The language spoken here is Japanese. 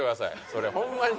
それホンマに。